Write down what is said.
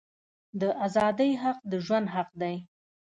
د آزادی حق د ژوند حق دی.